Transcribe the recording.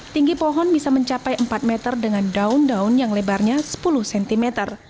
tinggi pohon bisa mencapai empat meter dengan daun daun yang lebarnya sepuluh cm